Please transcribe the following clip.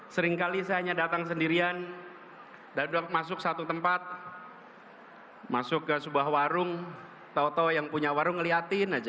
seringkali saya hanya datang sendirian dan masuk satu tempat masuk ke sebuah warung tau tau yang punya warung ngeliatin aja